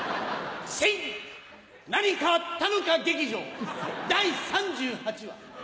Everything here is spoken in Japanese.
新何かあったのか劇場第３８話。